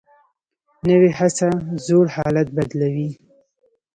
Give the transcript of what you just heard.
نوې هڅه زوړ حالت بدلوي